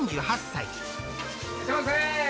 いらっしゃいませ。